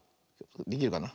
できるかな。